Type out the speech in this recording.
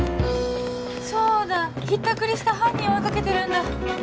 そうだひったくりした犯人を追い掛けてるんだ